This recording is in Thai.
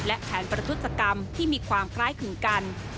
และแผนประทุศกรรมที่มีความคล้ายคลึงกัน